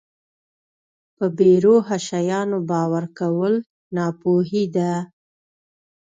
په بې روحه شیانو باور کول ناپوهي ده.